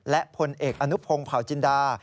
และพลเอกอนุพงศ์เผาจินดา